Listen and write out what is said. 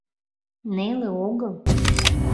Неле огыл